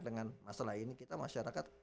dengan masalah ini kita masyarakat